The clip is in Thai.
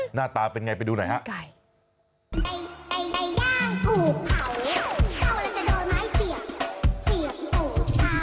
หน้าตาเป็นไงไปดูหน่อยฮะ